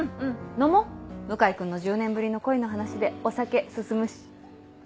飲もう向井君の１０年ぶりの恋の話でお酒進むし。